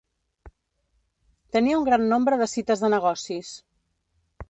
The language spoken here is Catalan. Tenia un gran nombre de cites de negocis.